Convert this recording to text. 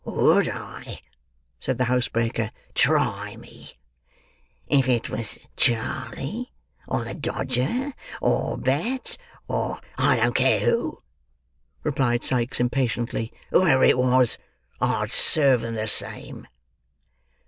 "Would I!" said the housebreaker. "Try me." "If it was Charley, or the Dodger, or Bet, or—" "I don't care who," replied Sikes impatiently. "Whoever it was, I'd serve them the same."